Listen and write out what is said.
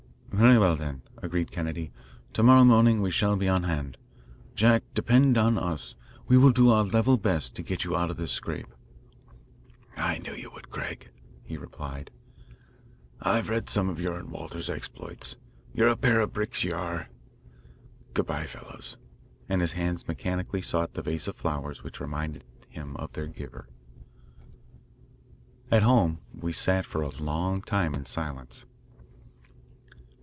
"Very well, then," agreed Kennedy. "To morrow morning we shall be on hand. Jack, depend on us. We will do our level best to get you out of this scrape." "I knew you would, Craig," he replied. "I've read of some of your and Walter's exploits. You're a pair of bricks, you are. Good bye, fellows," and his hands mechanically sought the vase of flowers which reminded him of their giver. At home we sat for a long time in silence.